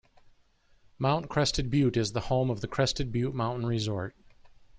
Mount Crested Butte is the home of the Crested Butte Mountain Resort.